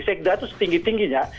segda itu setinggi tingginya